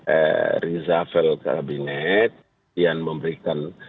eh rizal karabinet yang memberikan